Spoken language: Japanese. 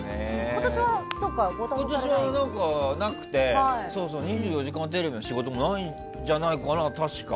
今年はなくて「２４時間テレビ」の仕事もないんじゃないかな確か。